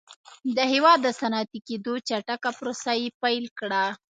د هېواد د صنعتي کېدو چټکه پروسه یې پیل کړه